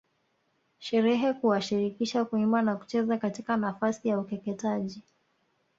Sherehe kuwashirikisha kuimba na kucheza katika nafasi ya ukeketaji